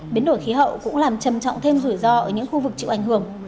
biến đổi khí hậu cũng làm trầm trọng thêm rủi ro ở những khu vực chịu ảnh hưởng